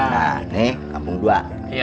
nah ini kampung dua